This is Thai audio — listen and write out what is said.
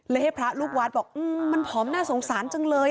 ให้พระลูกวัดบอกมันผอมน่าสงสารจังเลย